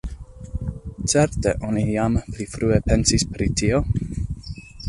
Certe oni jam pli frue pensis pri tio?